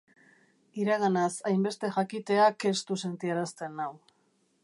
Iraganaz hainbeste jakiteak estu sentiarazten nau.